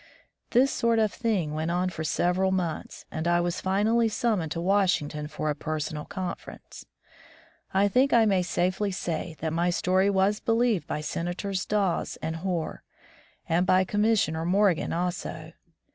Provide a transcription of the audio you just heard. This sort of thing went on for several months, and I was finally summoned to Washington for a personal conference. I think I may safely say that my story was believed by Senators Dawes and Hoar, and by Commissioner Morgan also.